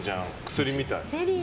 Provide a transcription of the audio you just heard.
薬みたい。